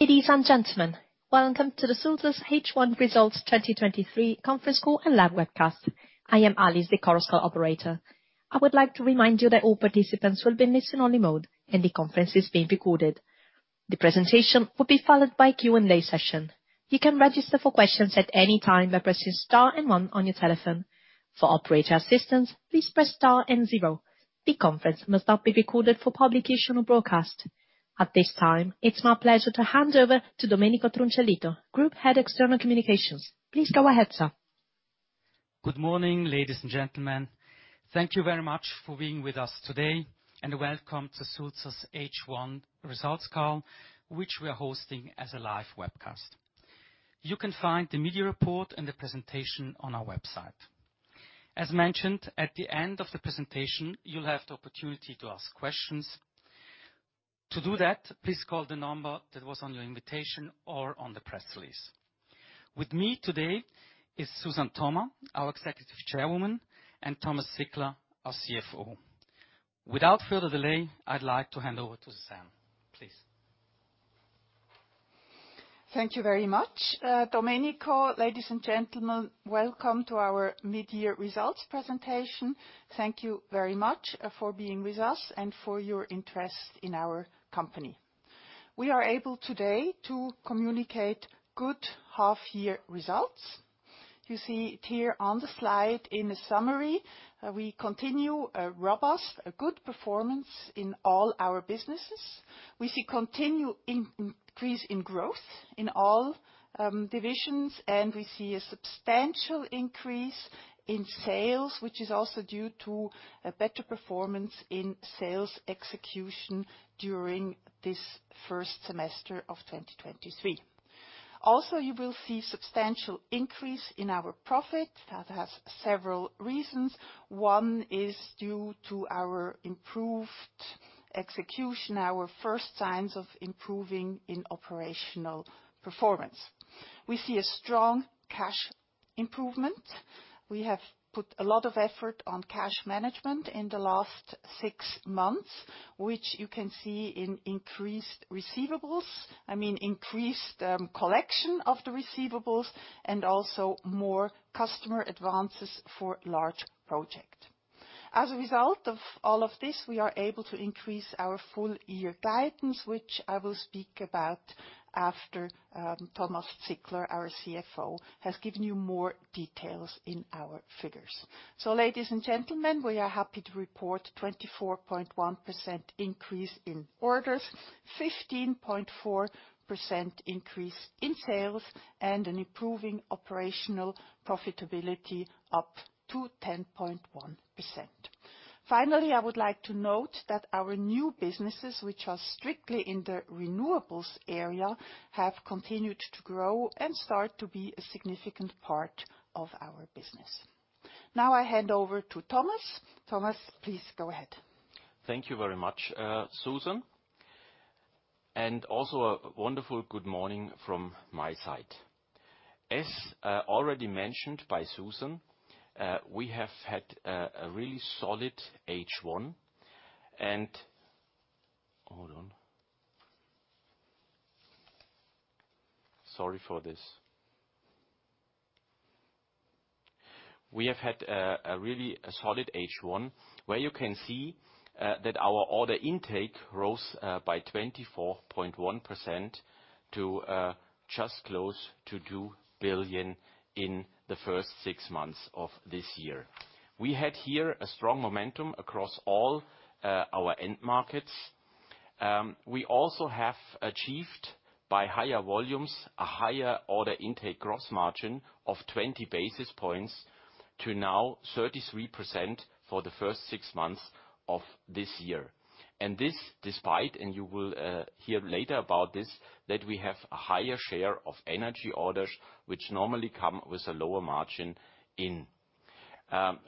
Ladies and gentlemen, welcome to Sulzer's H1 Results 2023 conference call and live webcast. I am Alice, the conference call operator. I would like to remind you that all participants will be in listen-only mode, and the conference is being recorded. The presentation will be followed by a Q&A session. You can register for questions at any time by pressing star and one on your telephone. For operator assistance, please press star and zero. The conference must not be recorded for publication or broadcast. At this time, it's my pleasure to hand over to Domenico Truncellito, Group Head External Communications. Please go ahead, sir. Good morning, ladies and gentlemen. Thank you very much for being with us today, and welcome to Sulzer's H1 results call, which we are hosting as a live webcast. You can find the media report and the presentation on our website. As mentioned, at the end of the presentation, you'll have the opportunity to ask questions. To do that, please call the number that was on your invitation or on the press release. With me today is Suzanne Thoma, our Executive Chairwoman, and Thomas Zickler, our CFO. Without further delay, I'd like to hand over to Suzanne, please. Thank you very much, Domenico. Ladies and gentlemen, welcome to our mid-year results presentation. Thank you very much for being with us and for your interest in our company. We are able today to communicate good half-year results. You see it here on the slide in a summary. We continue a robust, a good performance in all our businesses. We see continued increase in growth in all divisions, and we see a substantial increase in sales, which is also due to a better performance in sales execution during this first semester of 2023. Also, you will see substantial increase in our profit. That has several reasons. One is due to our improved execution, our first signs of improving in operational performance. We see a strong cash improvement. We have put a lot of effort on cash management in the last six months, which you can see in increased receivables. I mean, increased collection of the receivables, and also more customer advances for large project. As a result of all of this, we are able to increase our full year guidance, which I will speak about after Thomas Zickler, our CFO, has given you more details in our figures. Ladies and gentlemen, we are happy to report 24.1% increase in orders, 15.4% increase in sales, and an improving operational profitability up to 10.1%. Finally, I would like to note that our new businesses, which are strictly in the renewables area, have continued to grow and start to be a significant part of our business. Now I hand over to Thomas. Thomas, please go ahead. Thank you very much, Suzanne Thoma, and also a wonderful good morning from my side. As already mentioned by Suzanne Thoma, we have had a really solid H1, where you can see that our order intake rose by 24.1% to just close to 2 billion in the first six months of this year. We had here a strong momentum across all our end markets. We also have achieved, by higher volumes, a higher order intake gross margin of 20 basis points to now 33% for the first six months of this year. This despite, and you will hear later about this, that we have a higher share of energy orders, which normally come with a lower margin in.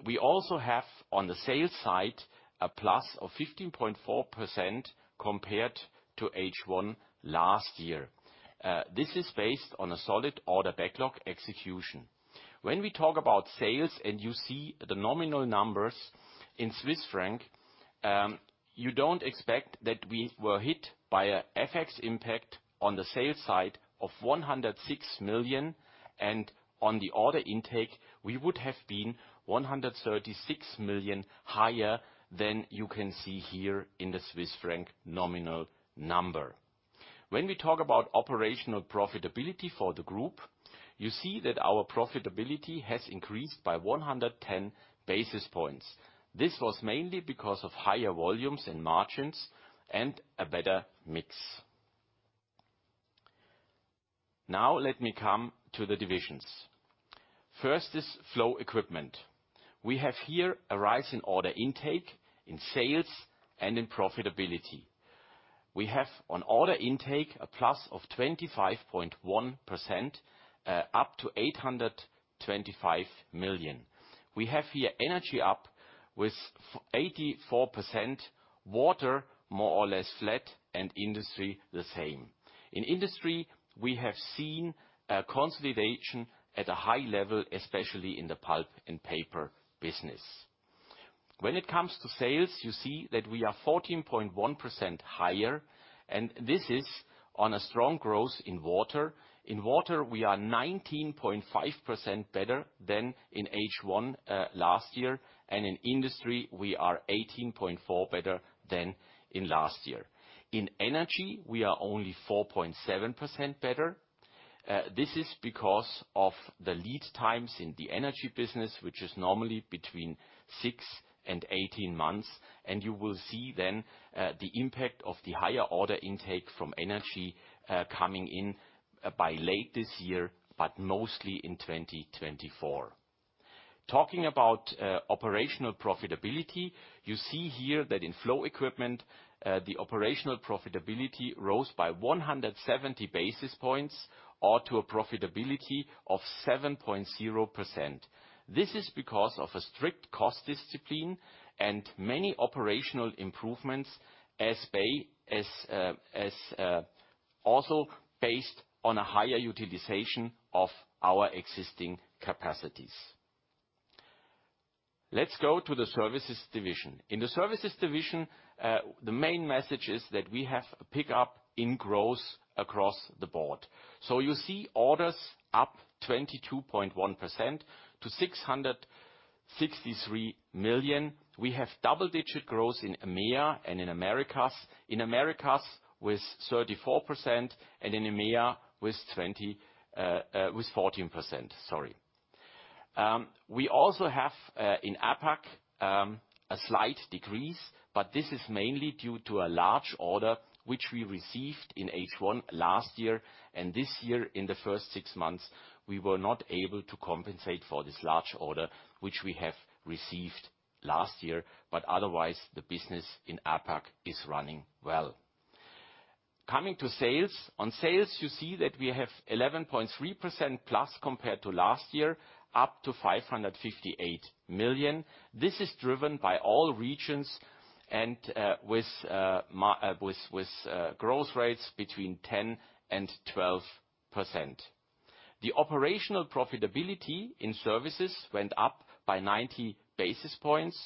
We also have, on the sales side, a plus of 15.4% compared to H1 last year. This is based on a solid order backlog execution. When we talk about sales, and you see the nominal numbers in Swiss franc, you don't expect that we were hit by a FX impact on the sales side of 106 million, and on the order intake, we would have been 136 million higher than you can see here in the Swiss franc nominal number. When we talk about operational profitability for the group, you see that our profitability has increased by 110 basis points. This was mainly because of higher volumes and margins and a better mix. Now let me come to the divisions. First is Flow Equipment. We have here a rise in order intake, in sales, and in profitability. We have on order intake, a plus of 25.1%, up to 825 million. We have here energy up with 84%, water, more or less flat, and industry, the same. In industry, we have seen a consolidation at a high level, especially in the pulp and paper business. When it comes to sales, you see that we are 14.1% higher. This is on a strong growth in water. In water, we are 19.5% better than in H1 last year, in industry, we are 18.4% better than in last year. In energy, we are only 4.7% better. This is because of the lead times in the energy business, which is normally between six-18 months, and you will see then the impact of the higher order intake from energy coming in by late this year, but mostly in 2024. Talking about operational profitability, you see here that in Flow Equipment the operational profitability rose by 170 basis points or to a profitability of 7.0%. This is because of a strict cost discipline and many operational improvements as also based on a higher utilization of our existing capacities. Let's go to the services division. In the services division, the main message is that we have a pickup in growth across the board. You see orders up 22.1% to 663 million. We have double-digit growth in EMEA and in Americas. In Americas with 34%, and in EMEA with 14%, sorry. We also have in APAC a slight decrease, but this is mainly due to a large order which we received in H1 last year, and this year, in the first six months, we were not able to compensate for this large order, which we have received last year, but otherwise, the business in APAC is running well. Coming to sales, on sales, you see that we have 11.3%+ compared to last year, up to 558 million. This is driven by all regions and with growth rates between 10% and 12%. The operational profitability in services went up by 90 basis points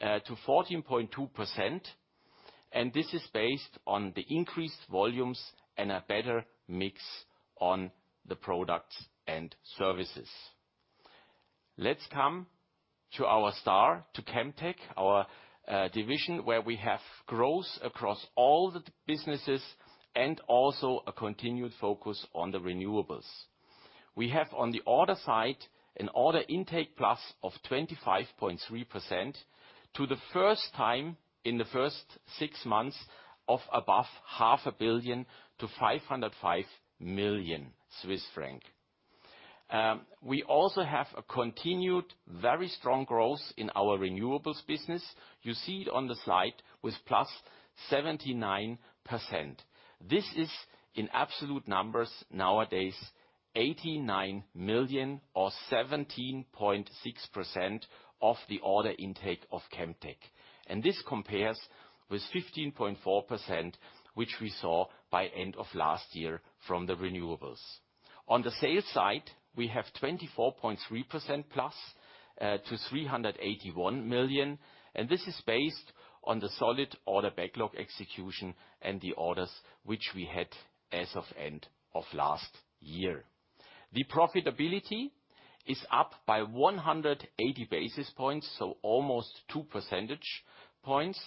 to 14.2%. This is based on the increased volumes and a better mix on the products and services. Let's come to our star, to Chemtech, our division, where we have growth across all the businesses and also a continued focus on the renewables. We have, on the order side, an order intake plus of 25.3% to the first time in the first six months of above half a billion to 505 million Swiss francs. We also have a continued very strong growth in our renewables business. You see it on the slide with +79%. This is in absolute numbers, nowadays, 89 million or 17.6% of the order intake of Chemtech. This compares with 15.4%, which we saw by end of last year from the renewables. On the sales side, we have 24.3%+ to 381 million. This is based on the solid order backlog execution and the orders which we had as of end of last year. The profitability is up by 180 basis points, so almost two percentage points.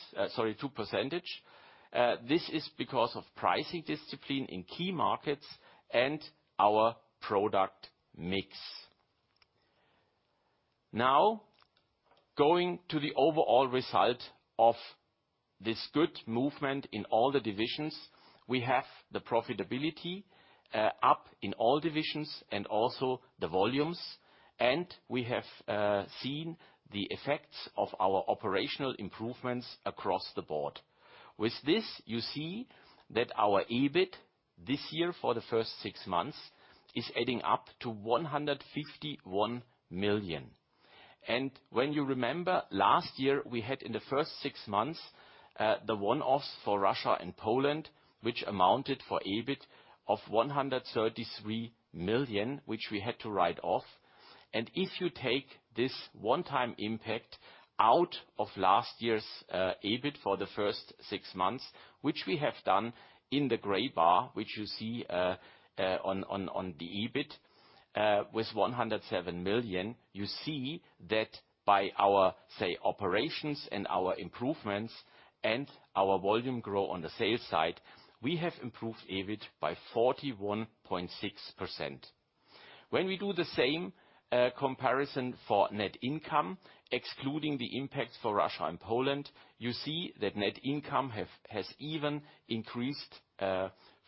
This is because of pricing discipline in key markets and our product mix. Going to the overall result of this good movement in all the divisions, we have the profitability up in all divisions and also the volumes, and we have seen the effects of our operational improvements across the board. With this, you see that our EBIT this year, for the first six months, is adding up to 151 million. When you remember, last year, we had in the first six months, the one-offs for Russia and Poland, which amounted for EBIT of 133 million, which we had to write off. If you take this one-time impact out of last year's EBIT for the first six months, which we have done in the gray bar, which you see on the EBIT with 107 million, you see that by our, say, operations and our improvements and our volume growth on the sales side, we have improved EBIT by 41.6%. When we do the same comparison for net income, excluding the impact for Russia and Poland, you see that net income has even increased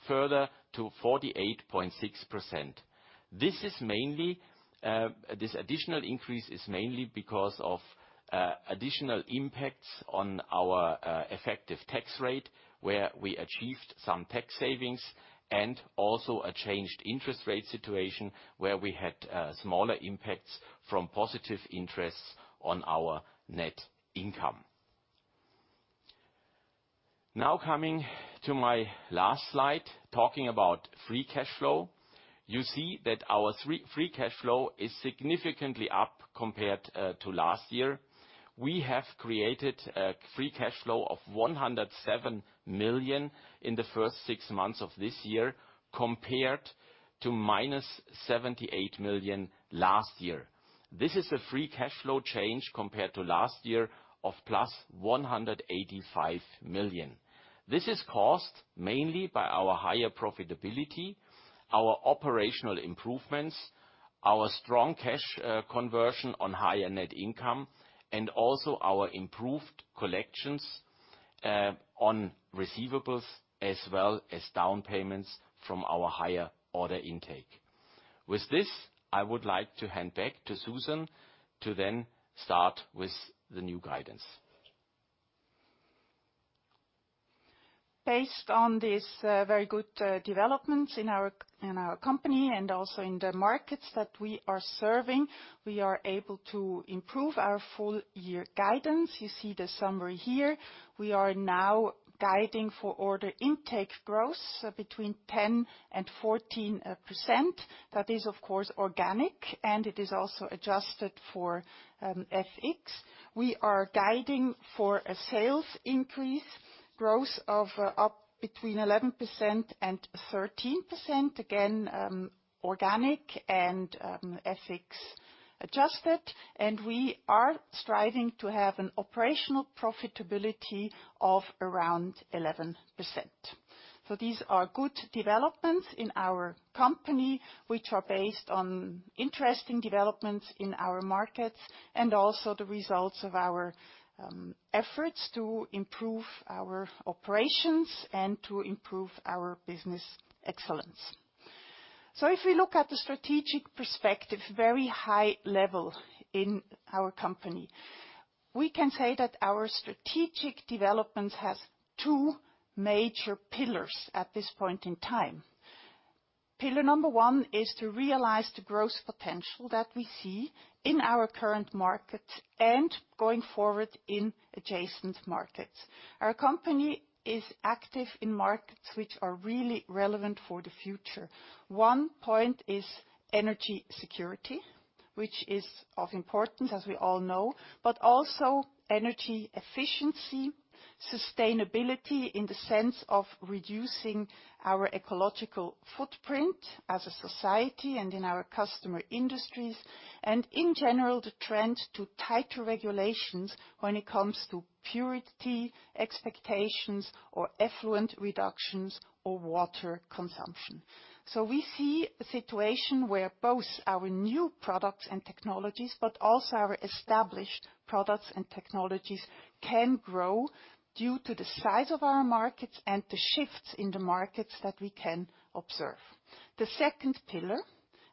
further to 48.6%. This is mainly, this additional increase is mainly because of additional impacts on our effective tax rate, where we achieved some tax savings, and also a changed interest rate situation, where we had smaller impacts from positive interests on our net income. Now coming to my last slide, talking about free cash flow. You see that our free cash flow is significantly up compared to last year. We have created a free cash flow of 107 million in the first six months of this year, compared to -78 million last year. This is a free cash flow change compared to last year of +185 million. This is caused mainly by our higher profitability, our operational improvements, our strong cash conversion on higher net income, and also our improved collections on receivables, as well as down payments from our higher order intake. With this, I would like to hand back to Suzanne to then start with the new guidance. Based on these very good developments in our company and also in the markets that we are serving, we are able to improve our full year guidance. You see the summary here. We are now guiding for order intake growth between 10% and 14%. That is, of course, organic, and it is also adjusted for FX. We are guiding for a sales increase growth of up between 11% and 13%, again, organic and FX adjusted. We are striving to have an operational profitability of around 11%. These are good developments in our company, which are based on interesting developments in our markets, and also the results of our efforts to improve our operations and to improve our business excellence. If we look at the strategic perspective, very high level in our company, we can say that our strategic development has two major pillars at this point in time. Pillar number one is to realize the growth potential that we see in our current market and going forward in adjacent markets. Our company is active in markets which are really relevant for the future. One point is energy security, which is of importance, as we all know, but also energy efficiency, sustainability in the sense of reducing our ecological footprint as a society and in our customer industries. In general, the trend to tighter regulations when it comes to purity expectations or effluent reductions or water consumption. We see a situation where both our new products and technologies, but also our established products and technologies, can grow due to the size of our markets and the shifts in the markets that we can observe. The second pillar,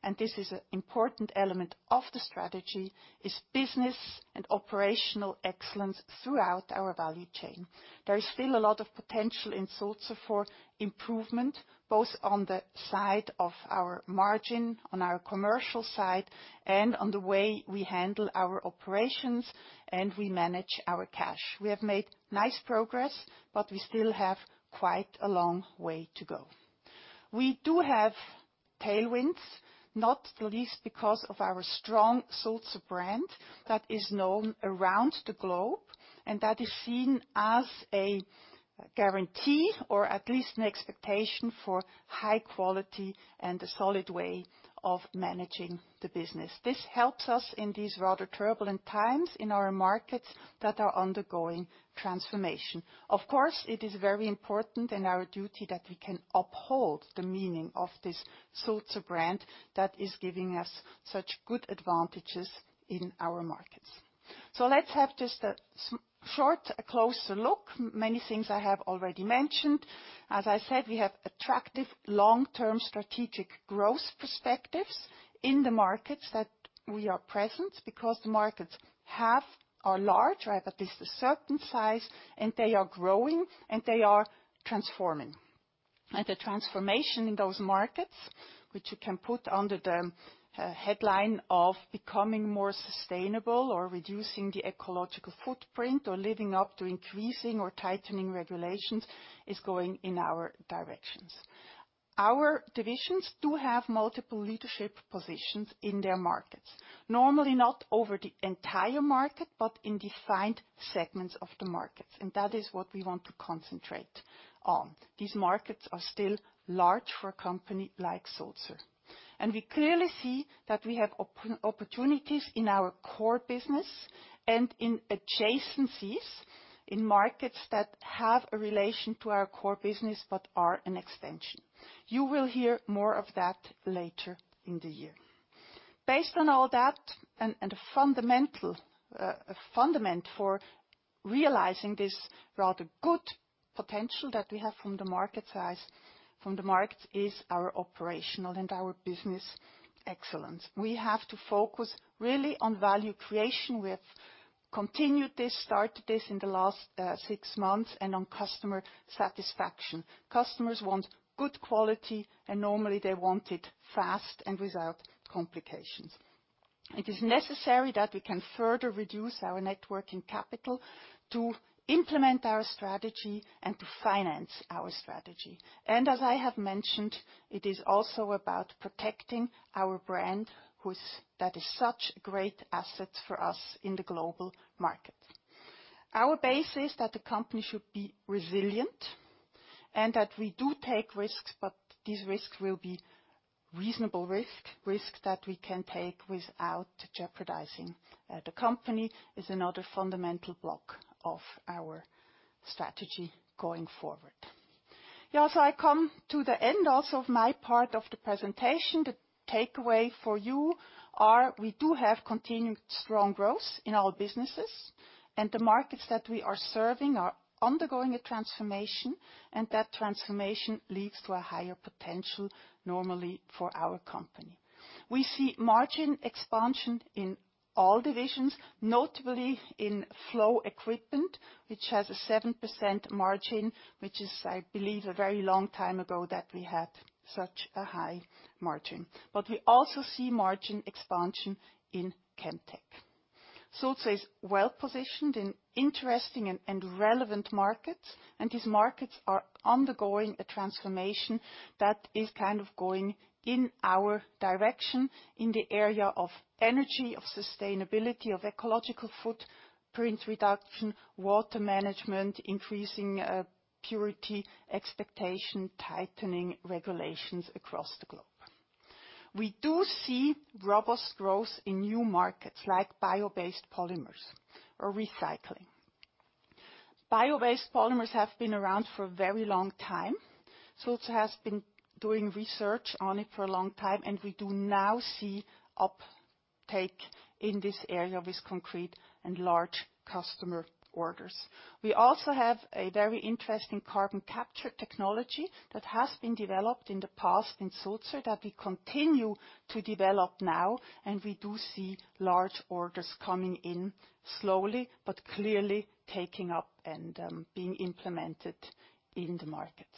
and this is an important element of the strategy, is business and operational excellence throughout our value chain. There is still a lot of potential in Sulzer for improvement, both on the side of our margin, on our commercial side, and on the way we handle our operations and we manage our cash. We have made nice progress, but we still have quite a long way to go. We do have tailwinds, not the least because of our strong Sulzer brand that is known around the globe, and that is seen as a guarantee, or at least an expectation, for high quality and a solid way of managing the business. This helps us in these rather turbulent times in our markets that are undergoing transformation. Of course, it is very important and our duty that we can uphold the meaning of this Sulzer brand that is giving us such good advantages in our markets. Let's have just a short, closer look. Many things I have already mentioned. As I said, we have attractive long-term strategic growth perspectives in the markets that we are present, because the markets are large, or at least a certain size, and they are growing, and they are transforming. The transformation in those markets, which you can put under the headline of becoming more sustainable or reducing the ecological footprint or living up to increasing or tightening regulations, is going in our directions. Our divisions do have multiple leadership positions in their markets, normally not over the entire market, but in defined segments of the markets, and that is what we want to concentrate on. These markets are still large for a company like Sulzer, and we clearly see that we have opportunities in our core business and in adjacencies, in markets that have a relation to our core business but are an extension. You will hear more of that later in the year. Based on all that, and a fundamental, a fundament for realizing this rather good potential that we have from the market size, from the markets, is our operational and our business excellence. We have to focus really on value creation. We have continued this, started this in the last six months, and on customer satisfaction. Customers want good quality, and normally they want it fast and without complications. It is necessary that we can further reduce our net working capital to implement our strategy and to finance our strategy. As I have mentioned, it is also about protecting our brand, that is such a great asset for us in the global market. Our base is that the company should be resilient, and that we do take risks, but these risks will be reasonable risk that we can take without jeopardizing the company, is another fundamental block of our strategy going forward. Yeah, I come to the end also of my part of the presentation. The takeaway for you are, we do have continued strong growth in our businesses, and the markets that we are serving are undergoing a transformation, and that transformation leads to a higher potential, normally, for our company. We see margin expansion in all divisions, notably in Flow Equipment, which has a 7% margin, which is, I believe, a very long time ago that we had such a high margin. We also see margin expansion in Chemtech. Sulzer is well positioned in interesting and relevant markets. These markets are undergoing a transformation that is kind of going in our direction in the area of energy, of sustainability, of ecological footprint reduction, water management, increasing purity expectation, tightening regulations across the globe. We do see robust growth in new markets like bio-based polymers or recycling. Bio-based polymers have been around for a very long time. Sulzer has been doing research on it for a long time. We do now see uptake in this area with concrete and large customer orders. We also have a very interesting carbon capture technology that has been developed in the past in Sulzer, that we continue to develop now, and we do see large orders coming in slowly, but clearly taking up and being implemented in the markets.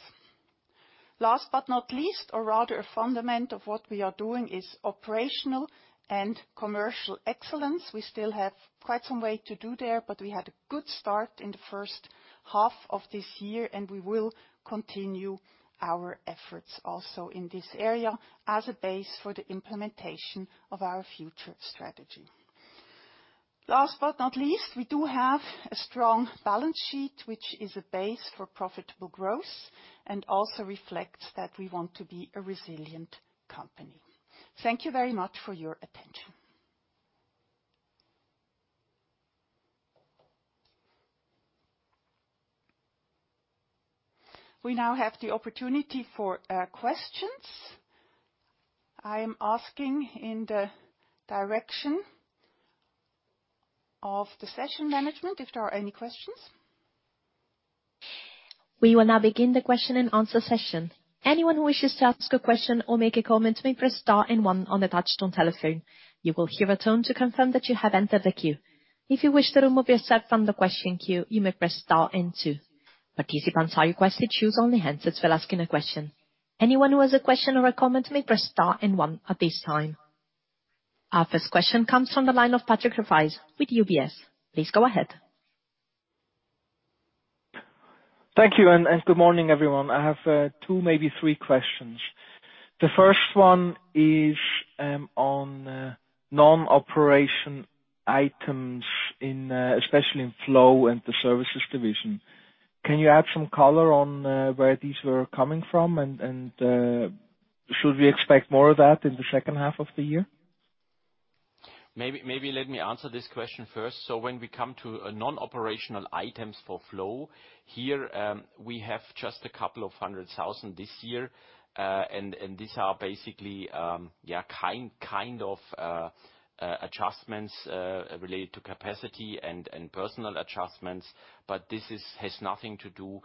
Last but not least, or rather a fundament of what we are doing, is operational and commercial excellence. We still have quite some way to do there, but we had a good start in the first half of this year, and we will continue our efforts also in this area as a base for the implementation of our future strategy. Last but not least, we do have a strong balance sheet, which is a base for profitable growth and also reflects that we want to be a resilient company. Thank you very much for your attention. We now have the opportunity for questions. I am asking in the direction of the session management if there are any questions. We will now begin the question-and-answer session. Anyone who wishes to ask a question or make a comment, may press star and one on the touchtone telephone. You will hear a tone to confirm that you have entered the queue. If you wish to remove yourself from the question queue, you may press star and two. Participants are requested to use only handsets for asking a question. Anyone who has a question or a comment may press star and one at this time. Our first question comes from the line of Patrick Rafaisz with UBS. Please go ahead. Thank you, and good morning, everyone. I have two, maybe three questions. The first one is on non-operation items in especially in flow and the services division. Can you add some color on where these were coming from, and should we expect more of that in the second half of the year? Maybe let me answer this question first. When we come to non-operational items for flow, here, we have just a couple of hundred thousand this year, and these are basically, yeah, kind of adjustments related to capacity and personal adjustments, but this has nothing to do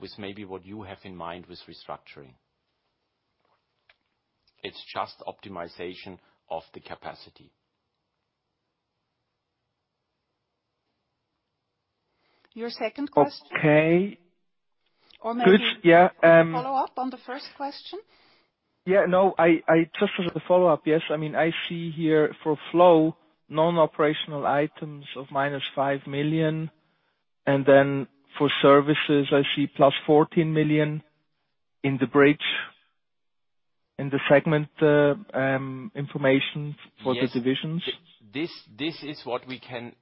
with maybe what you have in mind with restructuring. It's just optimization of the capacity. Your second question? Okay. Good, yeah. Follow-up on the first question? No, I just as a follow-up, yes. I mean, I see here for Flow, non-operational items of -5 million. Then for Services, I see +14 million in the bridge, in the segment, information for the divisions. Yes. This is what we can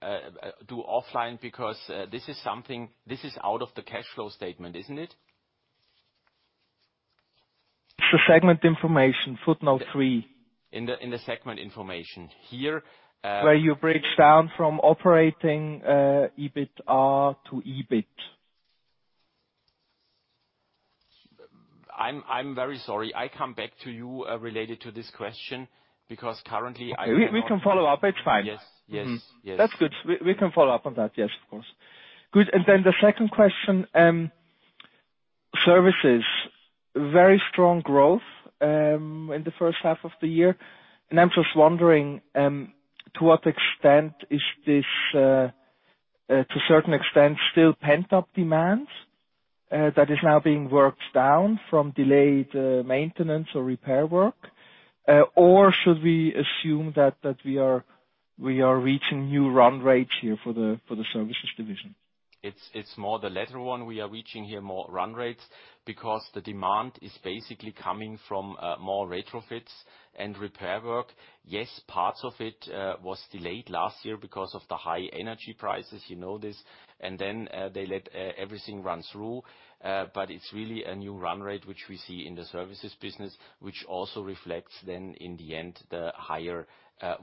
do offline, because, this is out of the cash flow statement, isn't it? It's the segment information, footnote three. In the segment information. Here, Where you break down from operating, EBITA to EBIT. I'm very sorry. I come back to you related to this question, because currently I am not- We can follow up. It's fine. Yes. Yes, yes. That's good. We can follow up on that. Yes, of course. The second question, services. Very strong growth in the first half of the year, and I'm just wondering to what extent is this to a certain extent, still pent-up demand that is now being worked down from delayed maintenance or repair work? Or should we assume that we are reaching new run rates here for the services division? It's more the latter one. We are reaching here more run rates, because the demand is basically coming from more retrofits and repair work. Yes, parts of it was delayed last year because of the high energy prices, you know this. Then they let everything run through. It's really a new run rate, which we see in the services business, which also reflects then, in the end, the higher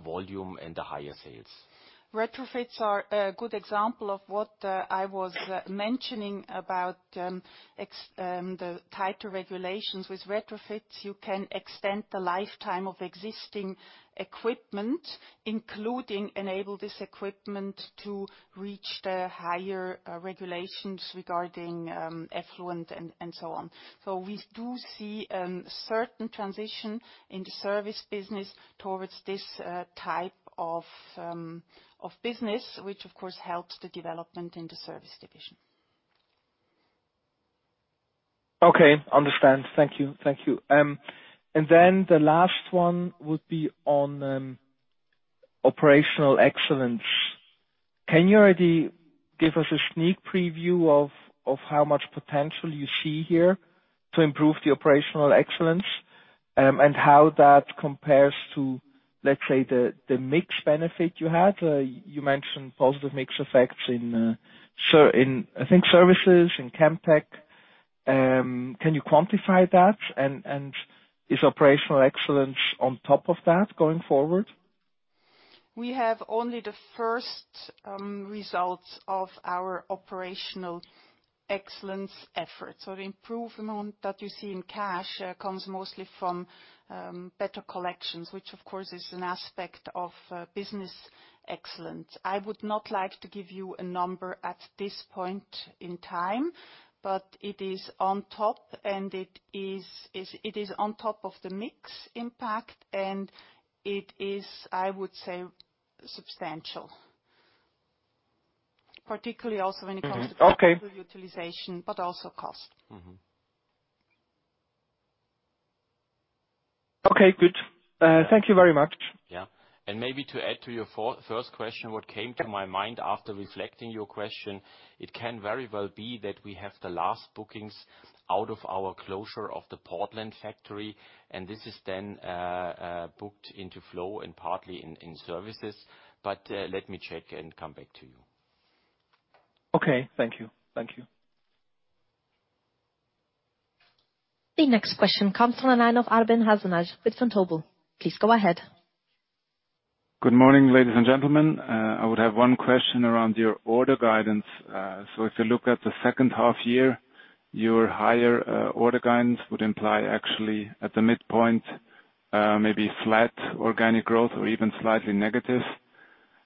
volume and the higher sales. Retrofits are a good example of what I was mentioning about the tighter regulations. With retrofits, you can extend the lifetime of existing equipment, including enable this equipment to reach the higher regulations regarding effluent and so on. We do see certain transition in the service business towards this type of business, which of course, helps the development in the service division. Okay, understand. Thank you. Thank you. The last one would be on operational excellence. Can you already give us a sneak preview of how much potential you see here to improve the operational excellence? How that compares to, let's say, the mix benefit you had? You mentioned positive mix effects in, I think, services, in Chemtech. Can you quantify that? Is operational excellence on top of that, going forward? We have only the first results of our operational excellence efforts. The improvement that you see in cash comes mostly from better collections, which of course, is an aspect of business excellence. I would not like to give you a number at this point in time, but it is on top, and it is on top of the mix impact, and it is, I would say, substantial. Particularly also when it comes to. Okay.... utilization, but also cost. Mm-hmm. Okay, good. Thank you very much. Yeah. Maybe to add to your first question, what came to my mind after reflecting your question, it can very well be that we have the last bookings out of our closure of the Portland factory. This is then booked into flow and partly in services. Let me check and come back to you. Okay. Thank you. Thank you. The next question comes from the line of Arben Hasanaj with Vontobel. Please go ahead. Good morning, ladies and gentlemen. I would have one question around your order guidance. If you look at the second half year, your higher, order guidance would imply actually, at the midpoint, maybe flat organic growth or even slightly negative.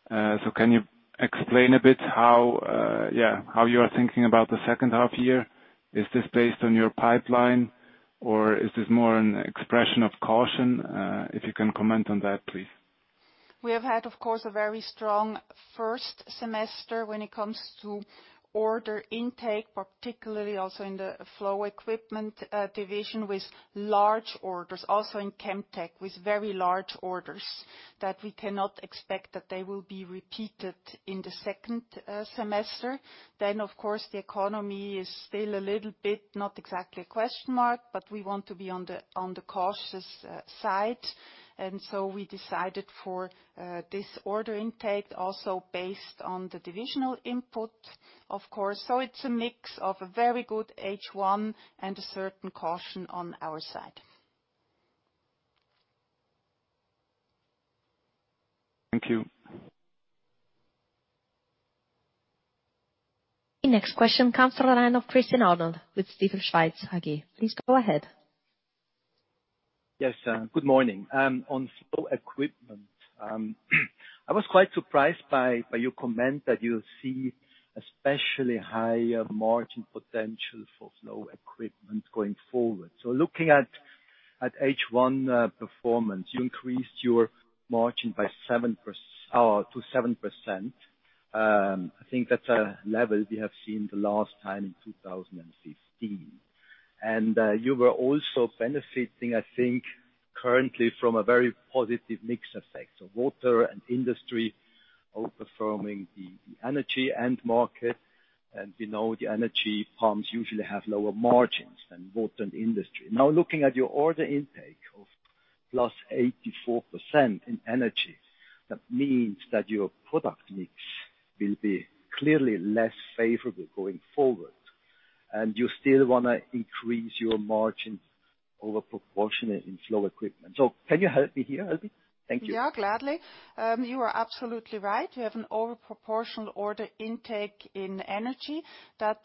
Can you explain a bit how, yeah, how you are thinking about the second half year? Is this based on your pipeline, or is this more an expression of caution? If you can comment on that, please. We have had, of course, a very strong first semester when it comes to order intake, particularly also in the Flow Equipment division, with large orders. Also in Chemtech, with very large orders, that we cannot expect that they will be repeated in the second semester. Of course, the economy is still a little bit, not exactly a question mark, but we want to be on the cautious side. We decided for this order intake, also based on the divisional input, of course. It's a mix of a very good H1 and a certain caution on our side. Thank you. The next question comes from the line of Christian Arnold with Stifel Schweiz AG. Please go ahead. Good morning. On Flow Equipment, I was quite surprised by your comment that you see especially high margin potential for Flow Equipment going forward. Looking at H1 performance, you increased your margin to 7%. I think that's a level we have seen the last time in 2015. You were also benefiting, I think, currently from a very positive mix effect of water and industry, outperforming the energy end market. We know the energy pumps usually have lower margins than water and industry. Looking at your order intake of +84% in energy, that means that your product mix will be clearly less favorable going forward.... you still wanna increase your margins over proportionate in Flow Equipment. Can you help me here, [Suzanne] Thank you. Yeah, gladly. You are absolutely right. We have an over proportional order intake in energy that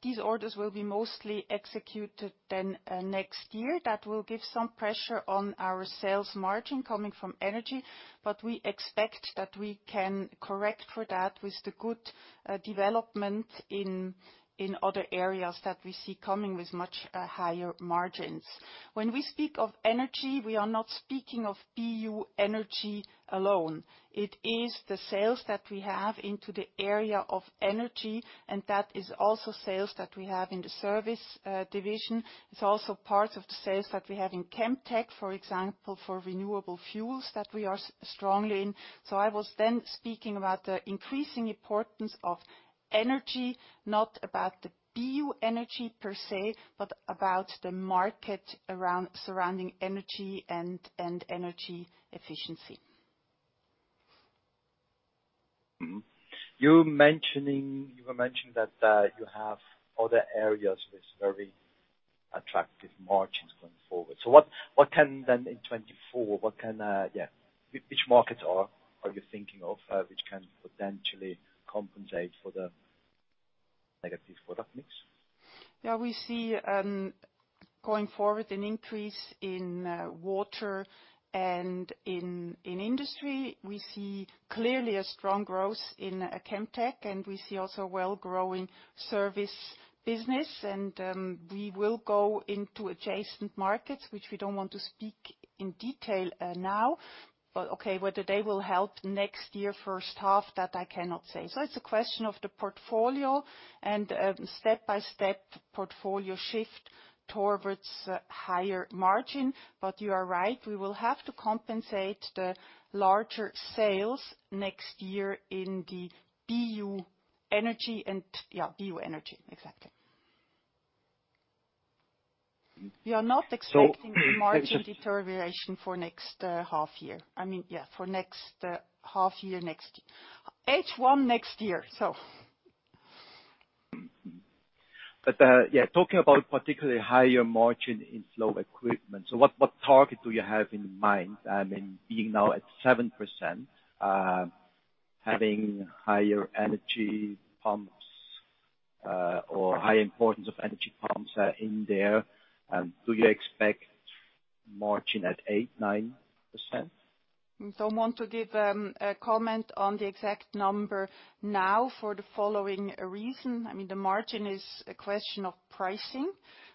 these orders will be mostly executed next year. That will give some pressure on our sales margin coming from energy, but we expect that we can correct for that with the good development in other areas that we see coming with much higher margins. When we speak of energy, we are not speaking of BU Energy alone. It is the sales that we have into the area of energy, and that is also sales that we have in the service division. It's also part of the sales that we have in Chemtech, for example, for renewable fuels that we are strongly in. I was then speaking about the increasing importance of energy, not about the BU Energy per se, but about the market around, surrounding energy and energy efficiency. You were mentioning that you have other areas with very attractive margins going forward. What, what can then in 2024, what can, which markets are you thinking of, which can potentially compensate for the negative product mix? We see going forward, an increase in water and in industry. We see clearly a strong growth in Chemtech, we see also well growing service business. We will go into adjacent markets, which we don't want to speak in detail now. Okay, whether they will help next year, first half, that I cannot say. It's a question of the portfolio and step-by-step portfolio shift towards higher margin. You are right, we will have to compensate the larger sales next year in the BU Energy and, yeah, BU Energy, exactly. We are not. So- - margin deterioration for next half year. I mean, yeah, for next half year, next H1 next year, so. Yeah, talking about particularly higher margin in Flow Equipment, so what target do you have in mind? I mean, being now at 7%, having higher energy pumps, or high importance of energy pumps in there, do you expect margin at 8%, 9%? Don't want to give a comment on the exact number now for the following reason: I mean, the margin is a question of pricing.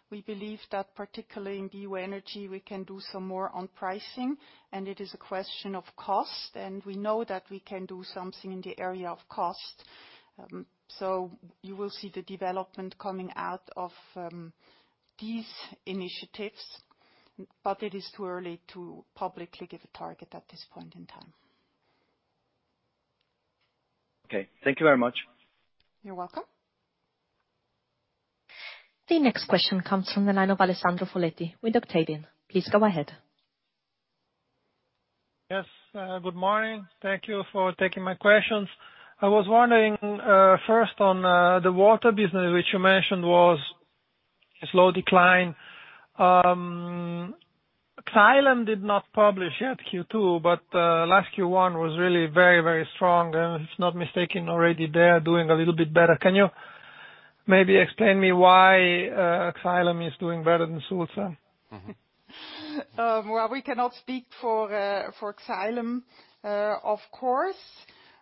We believe that, particularly in BU Energy, we can do some more on pricing, and it is a question of cost, and we know that we can do something in the area of cost. You will see the development coming out of these initiatives, but it is too early to publicly give a target at this point in time. Okay. Thank you very much. You're welcome. The next question comes from the line of Alessandro Foletti with Octavian. Please go ahead. Yes, good morning. Thank you for taking my questions. I was wondering, first on the water business, which you mentioned was a slow decline. Xylem did not publish yet Q2, but last Q1 was really very, very strong, and if I'm not mistaken, already they are doing a little bit better. Can you maybe explain me why Xylem is doing better than Sulzer? We cannot speak for Xylem. Of course,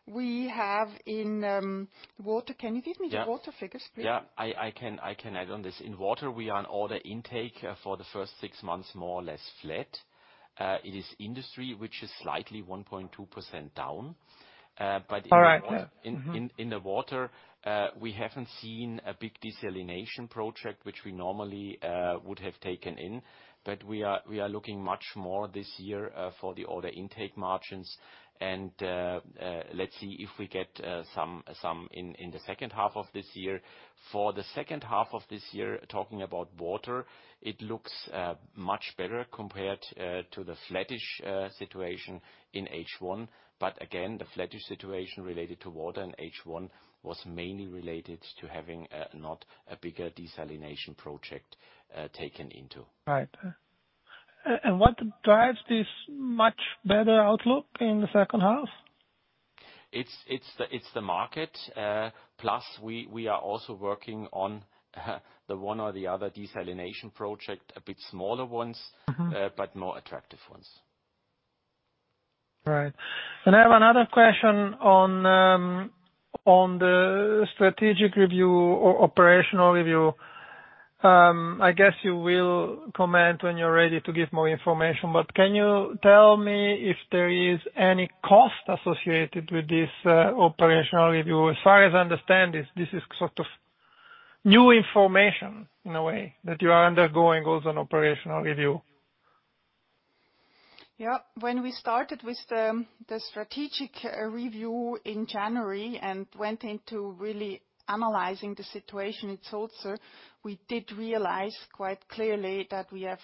we have in, water... Can you give me the water figures, please? Yeah. I can add on this. In water, we are on order intake for the first six months, more or less flat. It is industry which is slightly 1.2% down. All right. Mm-hmm In the water, we haven't seen a big desalination project, which we normally would have taken in, but we are looking much more this year for the order intake margins. Let's see if we get some in the second half of this year. For the second half of this year, talking about water, it looks much better compared to the flattish situation in H1. Again, the flattish situation related to water in H1 was mainly related to having not a bigger desalination project taken into. Right. What drives this much better outlook in the second half? It's the market, plus we are also working on the one or the other desalination project, a bit smaller ones. Mm-hmm... but more attractive ones. Right. I have another question on on the strategic review or operational review. I guess you will comment when you're ready to give more information. Can you tell me if there is any cost associated with this operational review? As far as I understand this is sort of new information in a way, that you are undergoing also an operational review. Yeah. When we started with the strategic review in January and went into really analyzing the situation in Sulzer, we did realize quite clearly that we have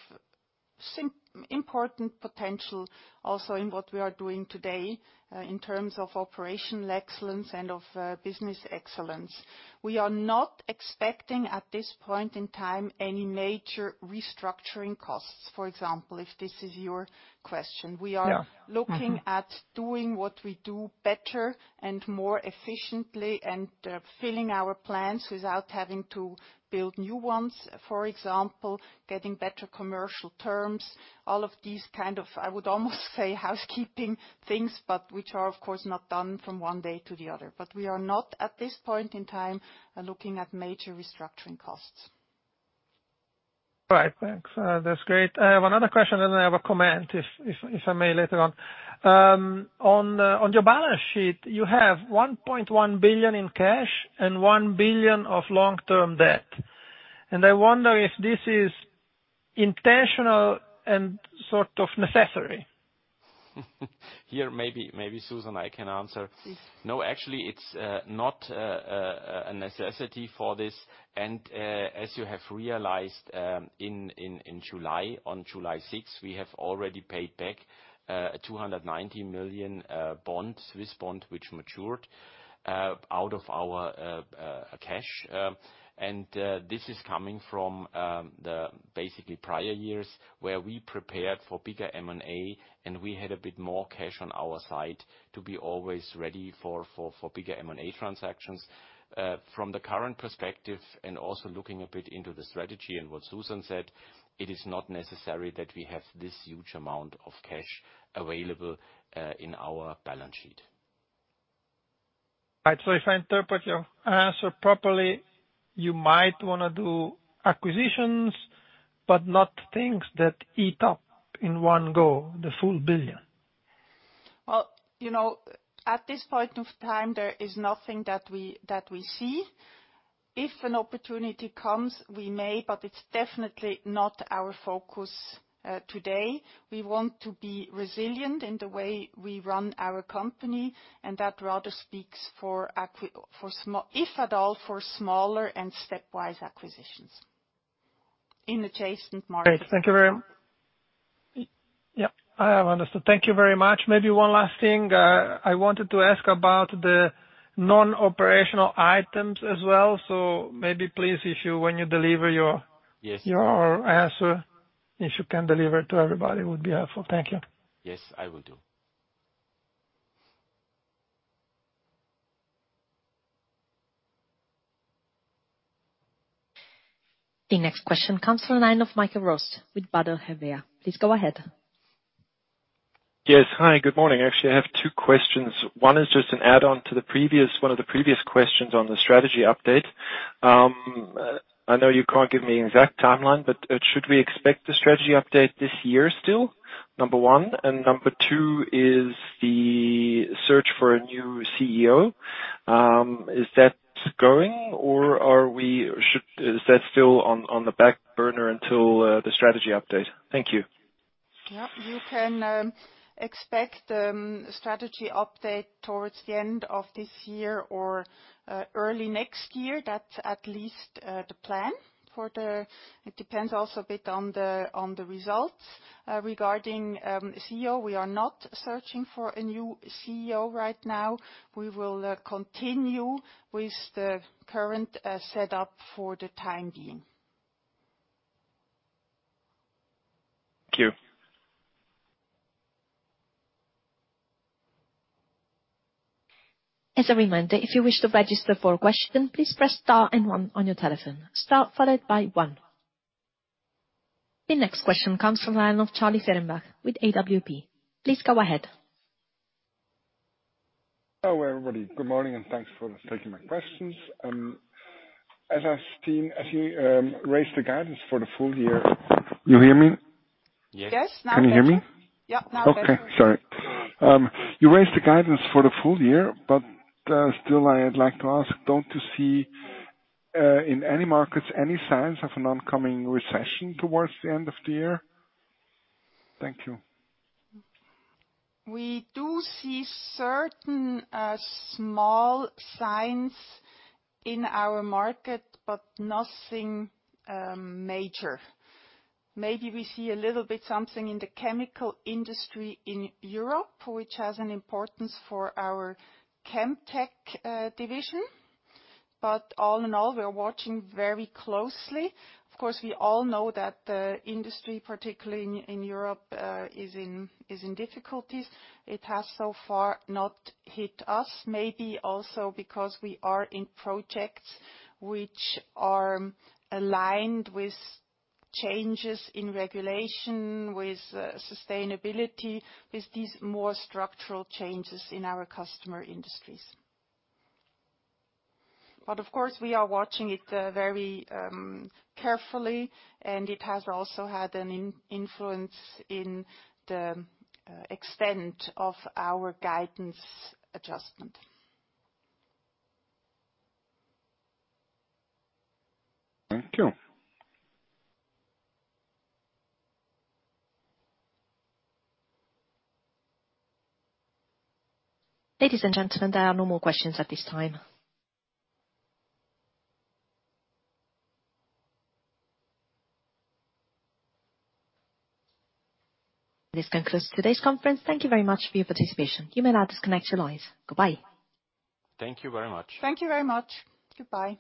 important potential also in what we are doing today, in terms of operational excellence and of business excellence. We are not expecting, at this point in time, any major restructuring costs, for example, if this is your question. Yeah. Mm-hmm. We are looking at doing what we do better and more efficiently and filling our plans without having to build new ones. For example, getting better commercial terms. All of these kind of, I would almost say housekeeping things, but which are, of course, not done from one day to the other. We are not, at this point in time, looking at major restructuring costs. All right, thanks. That's great. I have another question, and then I have a comment, if I may, later on. On your balance sheet, you have 1.1 billion in cash and 1 billion of long-term debt, and I wonder if this is intentional and sort of necessary? Here, maybe, Suzanne, I can answer. Please. No, actually, it's not a necessity for this. As you have realized, in July, on July 6th, we have already paid back 290 million bonds, this bond which matured out of our cash. This is coming from the basically prior years, where we prepared for bigger M&A, and we had a bit more cash on our side to be always ready for bigger M&A transactions. From the current perspective, and also looking a bit into the strategy and what Suzanne Thoma said, it is not necessary that we have this huge amount of cash available in our balance sheet. Right. If I interpret your answer properly, you might wanna do acquisitions, but not things that eat up, in one go, the full 1 billion? Well, you know, at this point of time, there is nothing that we see. If an opportunity comes, we may, but it's definitely not our focus today. We want to be resilient in the way we run our company, and that rather speaks for smaller and stepwise acquisitions in adjacent markets. Great. Yeah, I have understood. Thank you very much. Maybe one last thing. I wanted to ask about the non-operational items as well. maybe, please, if you, when you deliver. Yes. Your answer, if you can deliver to everybody, it would be helpful. Thank you. Yes, I will do. The next question comes from the line of Michael Roost with Baader Helvea. Please go ahead. Yes. Hi, good morning. Actually, I have two questions. One is just an add-on to the previous, one of the previous questions on the strategy update. I know you can't give me an exact timeline, but should we expect the strategy update this year still? Number one. Number two is the search for a new CEO, is that going or are we Is that still on the back burner until the strategy update? Thank you. You can expect strategy update towards the end of this year or early next year. That's at least the plan for the. It depends also a bit on the results. Regarding CEO, we are not searching for a new CEO right now. We will continue with the current setup for the time being. Thank you. As a reminder, if you wish to register for a question, please press star and one on your telephone. Star followed by one. The next question comes from the line of Charlie Fehrenbach with AWP. Please go ahead. Hello, everybody. Good morning. Thanks for taking my questions. As I've seen, as you, raised the guidance. You hear me? Yes. Yes, now better. Can you hear me? Yeah, now better. Okay, sorry. You raised the guidance for the full year, but, still I'd like to ask, don't you see, in any markets, any signs of an oncoming recession towards the end of the year? Thank you. We do see certain, small signs in our market, but nothing, major. Maybe we see a little bit something in the chemical industry in Europe, which has an importance for our Chemtech division. All in all, we are watching very closely. Of course, we all know that the industry, particularly in Europe, is in difficulties. It has so far not hit us, maybe also because we are in projects which are aligned with changes in regulation, with, sustainability, with these more structural changes in our customer industries. Of course, we are watching it, very, carefully, and it has also had an influence in the extent of our guidance adjustment. Thank you. Ladies and gentlemen, there are no more questions at this time. This concludes today's conference. Thank you very much for your participation. You may now disconnect your lines. Goodbye. Thank you very much. Thank you very much. Goodbye.